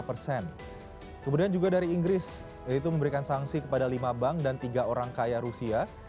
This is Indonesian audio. kemudian juga dari inggris yaitu memberikan sanksi kepada lima bank dan tiga orang kaya rusia